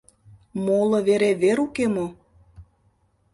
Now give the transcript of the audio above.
Моло вере вер уке мо?